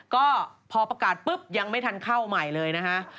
ก็พอประกาศปุ๊บยังไม่ทันเข้าใหม่เลยนะฮะ